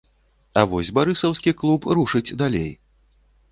А вось барысаўскі клуб рушыць далей.